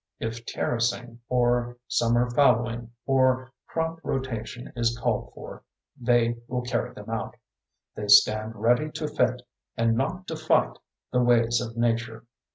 If terracing or summer fallowing or crop rotation is called for, they will carry them out. They stand ready to fit, and not to fight, the ways of Nature.